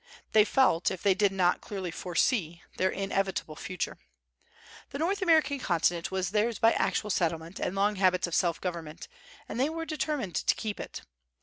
They felt, if they did not clearly foresee, their inevitable future. The North American continent was theirs by actual settlement and long habits of self government, and they were determined to keep it.